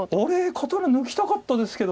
刀抜きたかったですけど。